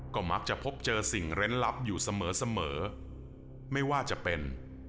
ก็มักจะพบเจอสิ่งเล่นลับอยู่เสมอไม่ว่าจะเป็น